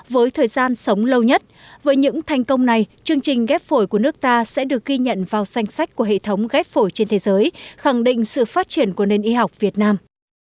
với thời gian sống lâu nhất với những thành công này chương trình ghép phổi của nước ta sẽ được ghi nhận vào danh sách của hệ thống ghép phổi trên thế giới khẳng định sự phát triển của nền y học việt nam